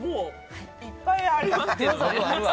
いっぱいありますけどね。